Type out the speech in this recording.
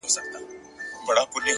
د حقیقت لټون عقل ژوروي؛